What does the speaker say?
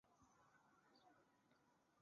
后来在一棵香兰木。